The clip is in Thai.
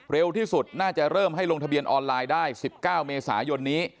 เร็วที่สุดน่าจะเริ่มให้ลงทะเบียนออนไลน์ได้๑๙เมษายนนี้